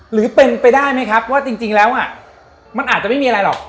หรือเป็นไปได้ไหมครับว่าจริงแล้วมันอาจจะไม่มีอะไรหรอก